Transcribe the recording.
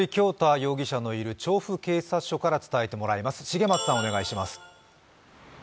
容疑者のいる調布警察署前から伝えてもらいます。